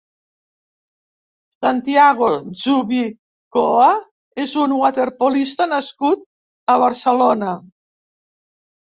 Santiago Zubicoa és un waterpolista nascut a Barcelona.